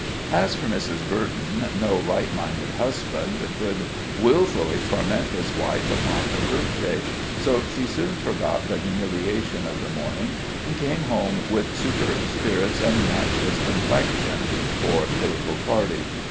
As for Mrs. Burton, no right minded husband could willfully torment his wife upon her birthday, so she soon forgot the humiliation of the morning, and came home with superb spirits and matchless complexion for the little party.